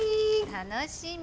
楽しみ！